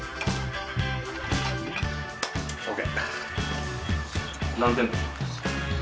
ＯＫ！